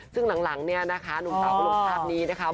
ซึ่งหลังเนี่ยนะคะหนุ่มสาวก็ลงภาพนี้นะคะ